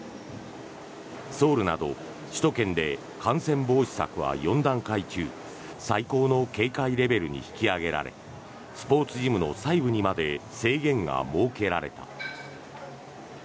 ソウルなど首都圏で感染防止策は４段階中最高の警戒レベルに引き上げられスポーツジムの細部にまで制限が設けられた。